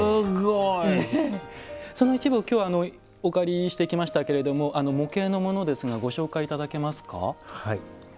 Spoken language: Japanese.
その一部をきょうはお借りしてきましたが模型のものですがご紹介いただけますか。